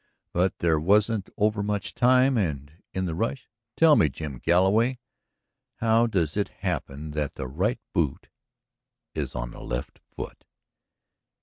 But there wasn't overmuch time and in the rush. ... Tell me, Jim Galloway, how does it happen that the right boot is on the left foot?"